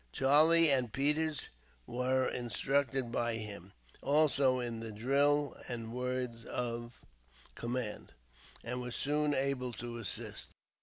Charlie and Peters were instructed by him, also, in the drill and words of command, and were soon able to assist.